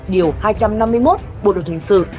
điều hai trăm năm mươi một bộ đội thành sự